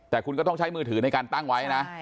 แต่คุณก็ต้องใช้มือถือในการตั้งไว้นะ